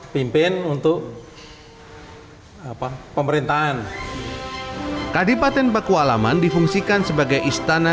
pimpin untuk apa pemerintahan kadipaten pakualaman difungsikan sebagai istana